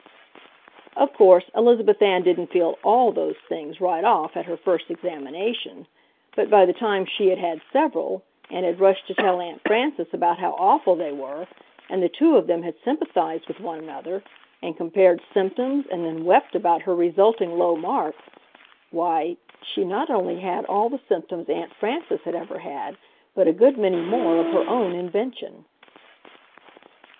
Of course Elizabeth Ann didn't feel ALL those things right off at her first examination, but by the time she had had several and had rushed to tell Aunt Frances about how awful they were and the two of them had sympathized with one another and compared symptoms and then wept about her resulting low marks, why, she not only had all the symptoms Aunt Frances had ever had, but a good many more of her own invention.